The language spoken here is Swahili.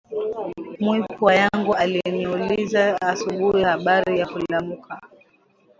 Mwipwa yangu aliniuliza asubui abari ya kulamuka